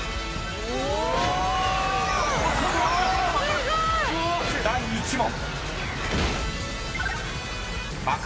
すごい！［第１問］